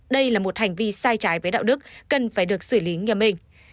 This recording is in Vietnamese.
đây là một hành vi sai trái với đạo đức cần phải được xử lý nghiêm minh